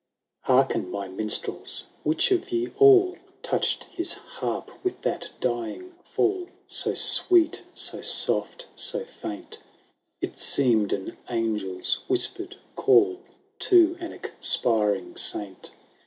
IV. • Hearken, my minstrels ! Which of ye all Touched his haip with that dying fall. So sweet, so soft, so fiunt. It seemed an angels whispered call To an expiring saint